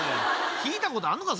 聞いたことあんのか？